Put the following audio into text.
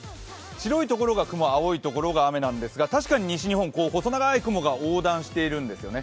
白い所が雲、青い所が雨なんですが確かに西日本、細長い雲が横断しているんですね。